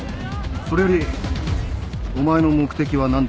それよりお前の目的は何だ？